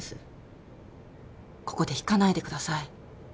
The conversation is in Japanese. ここで引かないでください。